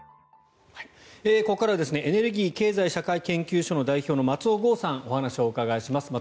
ここからはエネルギー経済社会研究所の代表の松尾豪さんにお話を伺います。